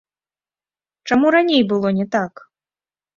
Чаму раней было не так?